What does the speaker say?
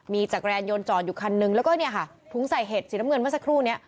มีจักรยานยนต์จอดอยู่คันนึงแล้วก็เนี่ยค่ะถุงใส่เห็ดสีน้ำเงินเมื่อสักครู่นี้